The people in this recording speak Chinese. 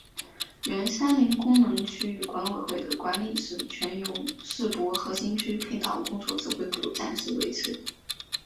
原三林功能区域管委会的管理事权由世博核心区配套工作指挥部暂时维持。